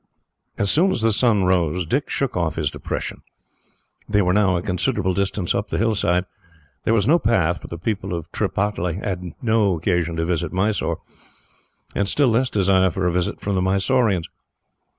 As soon as the sun rose, Dick shook off his depression. They were now a considerable distance up the hillside. There was no path, for the people of Tripataly had no occasion to visit Mysore, and still less desire for a visit from the Mysoreans.